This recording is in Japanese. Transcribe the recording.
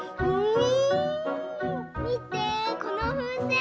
ん？